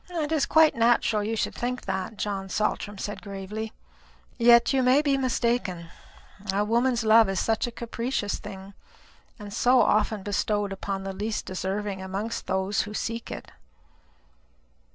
"It is quite natural that you should think that," John Saltram said gravely. "Yet you may be mistaken. A woman's love is such a capricious thing, and so often bestowed upon the least deserving amongst those who seek it."